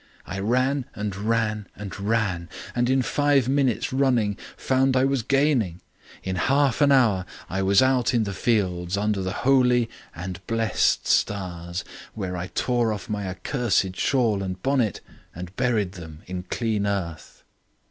I ran and ran and ran, and in five minutes' running, found I was gaining. In half an hour I was out in the fields under the holy and blessed stars, where I tore off my accursed shawl and bonnet and buried them in clean earth."